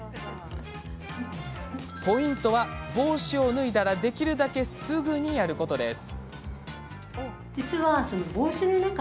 ポイントは帽子を脱いだらできるだけすぐにやることです。